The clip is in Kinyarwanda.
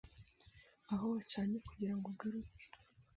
Aho wacanye kugirango ugaruke